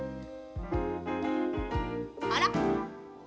あら。